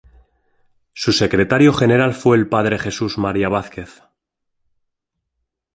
Su secretario general fue el Padre Jesús María Vázquez.